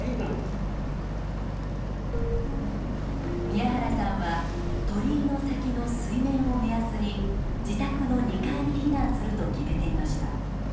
宮原さんは鳥居の先の水面を目安に自宅の２階に避難すると決めていました。